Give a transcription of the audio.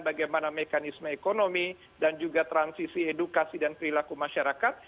bagaimana mekanisme ekonomi dan juga transisi edukasi dan perilaku masyarakat